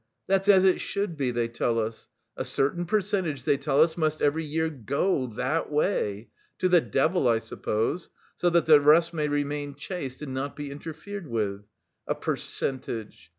That's as it should be, they tell us. A certain percentage, they tell us, must every year go... that way... to the devil, I suppose, so that the rest may remain chaste, and not be interfered with. A percentage!